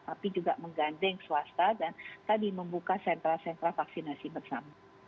tapi juga menggandeng swasta dan tadi membuka sentra sentra vaksinasi bersama